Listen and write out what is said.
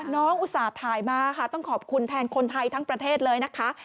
อุตส่าห์ถ่ายมาค่ะต้องขอบคุณแทนคนไทยทั้งประเทศเลยนะคะ